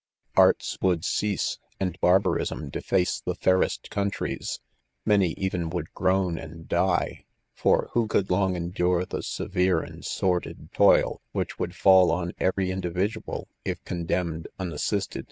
Arts •would ' cease., and' barbarism defatee tie fairest countries; many even would grown and' die j for who could loaf endure the severe and sordid toil which wouM fallen every individual* if condemui; mnmshiei